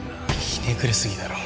ひねくれ過ぎだろ